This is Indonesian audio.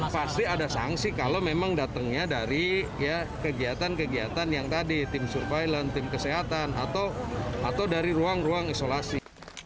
pasti ada sanksi kalau memang datangnya dari kegiatan kegiatan yang tadi tim surveillance tim kesehatan atau dari ruang ruang isolasi